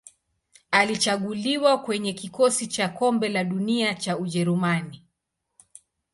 Alichaguliwa kwenye kikosi cha Kombe la Dunia cha Ujerumani.